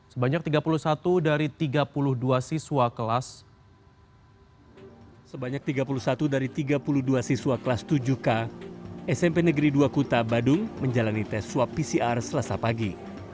sebanyak tiga puluh satu dari tiga puluh dua siswa kelas tujuh k smp negeri dua kuta badung menjalani tes swab pcr selasa pagi